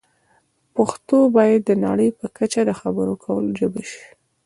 پښتو باید د نړۍ په کچه د خبرو کولو ژبه شي.